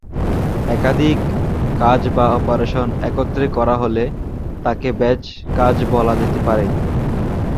একাধিক কাজ বা অপারেশন একত্রে করা হলে তাকে ব্যাচ কাজ বলা যেতে পারে।